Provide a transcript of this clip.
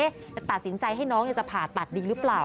จะตัดสินใจให้น้องจะผ่าตัดดีหรือเปล่า